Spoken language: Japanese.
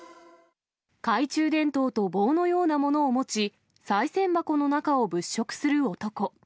懐中電灯と棒のようなものを持ち、さい銭箱の中を物色する男。